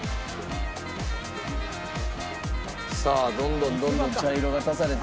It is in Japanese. さあどんどんどんどん茶色が足されて。